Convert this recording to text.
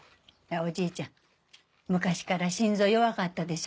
おじいちゃん昔から心臓弱かったでしょ。